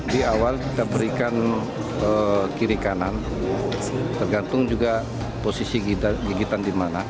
di awal kita berikan kiri kanan tergantung juga posisi gigitan di mana